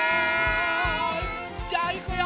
じゃあいくよ。